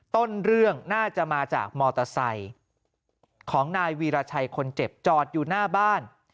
ต้นเรื่องน่าจะมาจากมอเตอร์ไซค์ของนายวีรชัยคนเจ็บจอดอยู่หน้าบ้าน